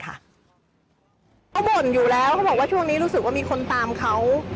เขาบ่นอยู่แล้วเขาบอกว่าช่วงนี้รู้สึกว่ามีคนตามเขา